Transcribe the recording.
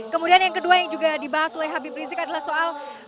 kemudian yang kedua yang juga dibahas oleh habib rizik adalah soal